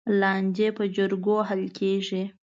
لانجې په جرګو حل کېږي.